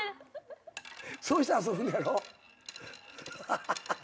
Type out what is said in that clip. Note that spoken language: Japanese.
そうして遊ぶねやろ。